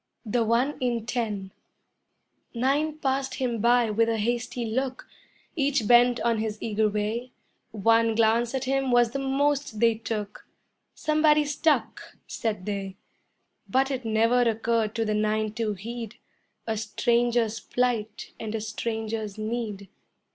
THE ONE IN TEN Nine passed him by with a hasty look, Each bent on his eager way; One glance at him was the most they took, "Somebody stuck," said they; But it never occurred to the nine to heed A stranger's plight and a stranger's need.